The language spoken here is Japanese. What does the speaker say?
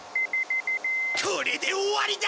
これで終わりだ！